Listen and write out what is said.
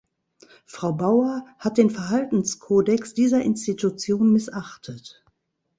Frau Bauer hat den Verhaltenskodex dieser Institution missachtet.